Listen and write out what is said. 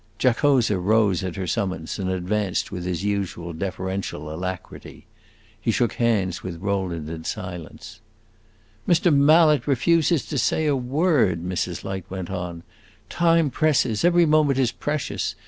Giacosa rose at her summons and advanced with his usual deferential alacrity. He shook hands with Rowland in silence. "Mr. Mallet refuses to say a word," Mrs. Light went on. "Time presses, every moment is precious.